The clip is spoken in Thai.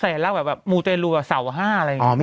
แสนล่างแบบหมูเตรนรัวสาว๕อะไรอย่างนี้